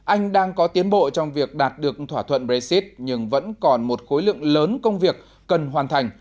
anh đang có tiến bộ trong việc đạt được thỏa thuận brexit nhưng vẫn còn một khối lượng lớn công việc cần hoàn thành